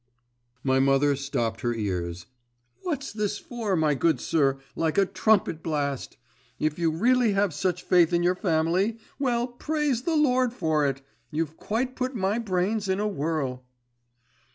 My mother stopped her ears. 'What's this for, my good sir, like a trumpet blast! If you really have such faith in your family, well, praise the Lord for it! You've quite put my brains in a whirl!